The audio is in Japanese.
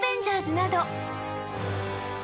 など